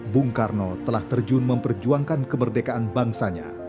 bung karno telah terjun memperjuangkan kemerdekaan bangsanya